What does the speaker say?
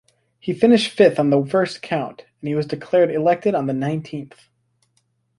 He finished fifth on the first count, and was declared elected on the nineteenth.